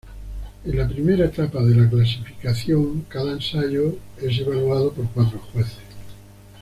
En la primera etapa de la clasificación, cada ensayo es evaluado por cuatro jueces.